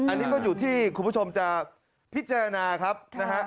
อันนี้ก็อยู่ที่คุณผู้ชมจะพิจารณาครับนะฮะ